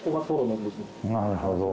なるほど。